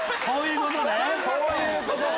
そういうことか！